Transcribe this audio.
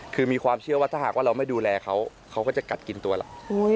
คือมีความเชื่อว่าถ้าหากว่าเราไม่ดูแลเขาเขาก็จะกัดกินตัวเรา